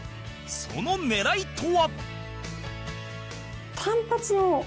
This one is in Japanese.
その狙いとは？